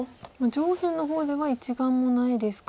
上辺の方では１眼もないですか。